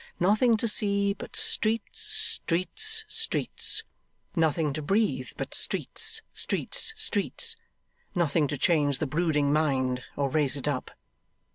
Nothing to see but streets, streets, streets. Nothing to breathe but streets, streets, streets. Nothing to change the brooding mind, or raise it up.